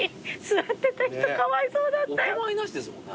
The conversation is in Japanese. お構いなしですもんね